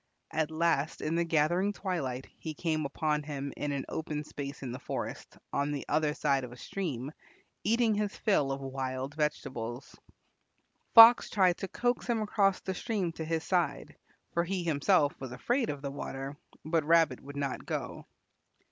At last in the gathering twilight he came upon him in an open space in the forest, on the other side of a stream, eating his fill of wild vegetables. Fox tried to coax him across the stream to his side, for he himself was afraid of the water, but Rabbit would not go.